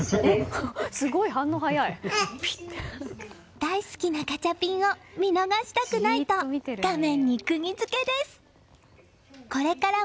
大好きなガチャピンを見逃したくないと画面にくぎ付けです。